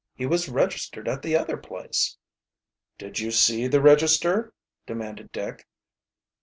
"He was registered at the other place." "Did you see the register?" demanded Dick.